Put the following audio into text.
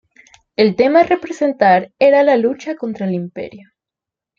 El tema a representar, era la lucha contra el Imperio.